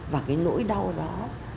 và cái nỗi đau đó